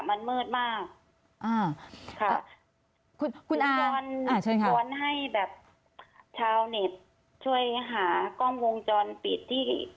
มันมืดมากอ่าค่ะคุณคุณอายเชิญชวนให้แบบชาวเน็ตช่วยหากล้องวงจรปิดที่